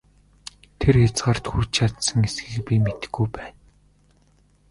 Тэр хязгаарт хүрч чадсан эсэхийг би мэдэхгүй байна!